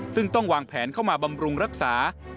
ซึ่งต้องวางแผนเข้ามาบำรุงรักษา